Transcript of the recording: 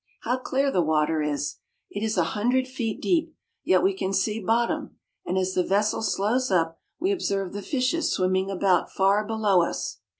How clear the water is ! It is a hundred feet deep, yet we can see bot tom, and as the vessel slows up we observe the fishes swimming about far below us.